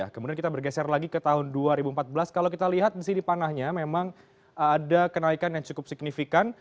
kemudian kita bergeser lagi ke tahun dua ribu empat belas kalau kita lihat di sini panahnya memang ada kenaikan yang cukup signifikan